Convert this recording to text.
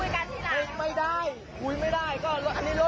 ไม่ใช่สำหรับตำรวจยึดไม่ได้ครับผมอ่ะโดนจับอยู่รถมันอยู่ในคอกจะมายึดได้ไงอีก